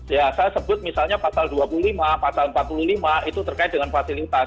ya saya sebut misalnya pasal dua puluh lima pasal empat puluh lima itu terkait dengan fasilitas